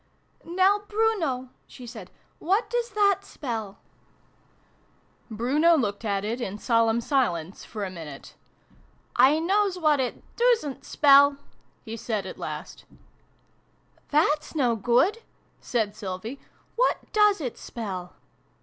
" Now, Bruno," she said, " what does that spell ?" 12 SYLVIE AND BRUNO CONCLUDED. Bruno looked at it, in solemn silence, for a minute. " I knows what it doosrit spell !" he said at last. " That's no good," said Sylvie. " What does it spell?"